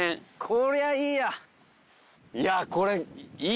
こりゃいいや！